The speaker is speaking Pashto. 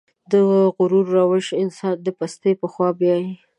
د غرور روش انسان د پستۍ په خوا بيايي.